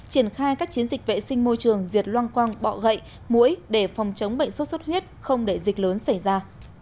triển khai các chiến dịch vệ sinh môi trường diệt loang quang bọ gậy mũi để phòng chống bệnh sốt xuất huyết không để dịch lớn xảy ra